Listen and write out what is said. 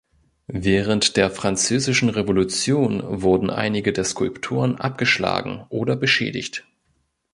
Während der Französischen Revolution wurden einige der Skulpturen abgeschlagen oder beschädigt.